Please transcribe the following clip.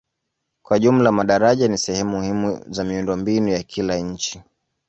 Kwa jumla madaraja ni sehemu muhimu za miundombinu ya kila nchi.